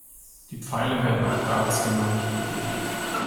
Die Pfeile werden auch Darts genannt.